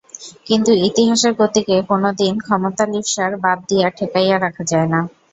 কিন্তু ইতিহাসের গতিকে কোনো দিন ক্ষমতালিপ্সার বাঁধ দিয়া ঠেকাইয়া রাখা যায় না।